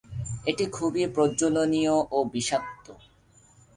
এটি খুবই প্রজ্বলনীয় ও বিষাক্ত।